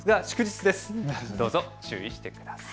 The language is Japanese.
どうぞ注意してください。